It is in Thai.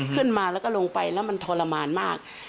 ขึ้นมาแล้วก็ลงไปแล้วมันทรมานมาก